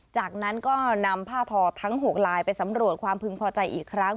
จากนั้นก็นำผ้าทอทั้ง๖ลายไปสำรวจความพึงพอใจอีกครั้ง